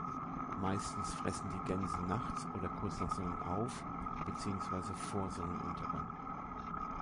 Meistens fressen die Gänse nachts oder kurz nach Sonnenauf- beziehungsweise vor Sonnenuntergang.